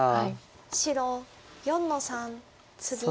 白４の三ツギ。